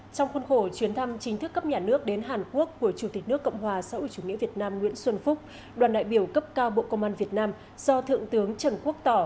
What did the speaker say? trong khuôn khổ chuyến thăm chính thức cấp nhà nước đến hàn quốc của chủ tịch nước cộng hòa xã hội chủ nghĩa việt nam nguyễn xuân phúc đoàn đại biểu cấp cao bộ công an việt nam do thượng tướng trần quốc tỏ